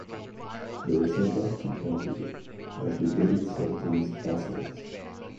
They were sent back to Kampili as the Delhi Sultan's vassals.